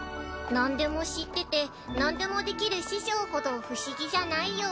なんでも知っててなんでもできる師匠ほど不思議じゃないよ